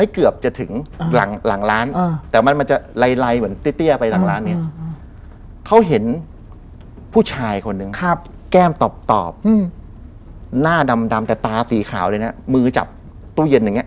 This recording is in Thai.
คืนนั้นเนี่ยเขาก็นอนอยู่